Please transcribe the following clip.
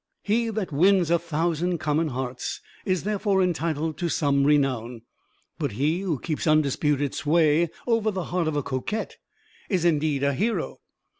He that wins a thousand common hearts, is therefore entitled to some renown; but he who keeps undisputed sway over the heart of a coquette, is indeed a hero.